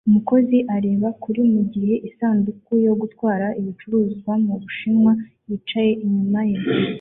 Umukozi areba kure mu gihe isanduku yo gutwara ibicuruzwa mu Bushinwa yicaye inyuma ye